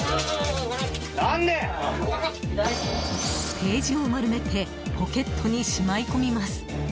ページを丸めてポケットにしまい込みます。